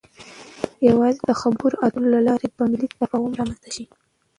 يوازې د خبرو اترو له لارې به ملی تفاهم رامنځته شي.